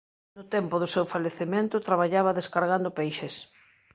No tempo do seu falecemento traballaba descargando peixes.